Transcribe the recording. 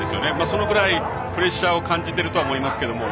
それくらいプレッシャーを感じていると思いますよね。